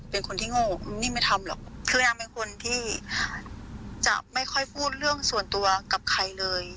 เป็นคนที่โง่นี่ไม่ทำหรอกคือนางเป็นคนที่จะไม่ค่อยพูดเรื่องส่วนตัวกับใครเลย